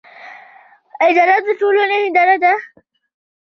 اداره د ټولنې هنداره ده